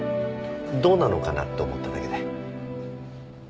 どうなのかなって思っただけで。